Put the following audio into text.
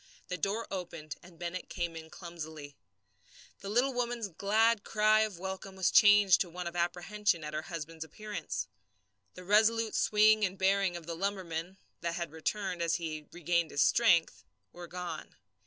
The door opened and Bennett came in clumsily. The woman's little glad cry of welcome was changed to one of apprehension at her husband's appearance. The resolute swing and bearing of the lumberman that had returned as he regained his strength were gone.